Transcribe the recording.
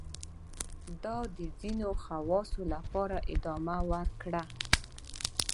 دا د ځینو خواصو لپاره ادامه وکړه.